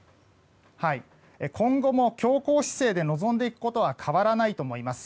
今後も強硬姿勢で臨んでいくことは変わらないと思います。